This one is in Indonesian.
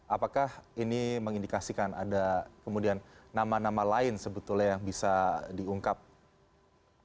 apakah ini mengindikasikan ada kemudian nama nama lain sebetulnya yang bisa diungkapkan